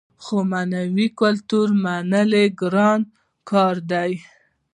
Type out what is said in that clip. خو معنوي کلتور منل ګران کار دی.